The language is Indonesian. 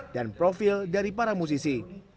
dan profil dari para musisi